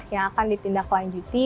yang akan ditindaklanjuti